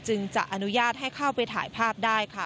จะอนุญาตให้เข้าไปถ่ายภาพได้ค่ะ